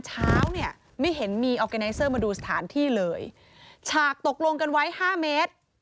เช้าเนี้ยไม่เห็นมีมาดูสถานที่เลยฉากตกลงกันไว้ห้าเมตร